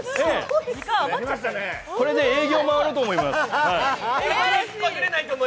これで営業回ろうと思います。